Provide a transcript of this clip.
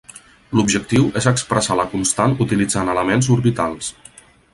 L'objectiu és expressar la constant utilitzant elements orbitals.